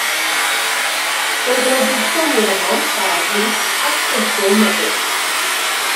Roedd yno deisen lemon, bara brith a threiffl mefus.